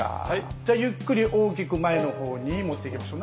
ゆっくり大きく前の方に持っていきましょう。